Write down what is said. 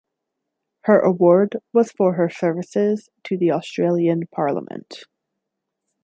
Her award was for her services to the Australian Parliament.